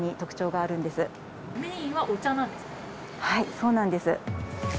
はいそうなんです